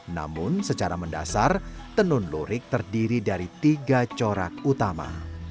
namun secara mendasar tenun lurik terdiri dari tiga corak utama